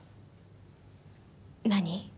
何？